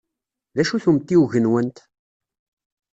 D acu-t umtiweg-nwent?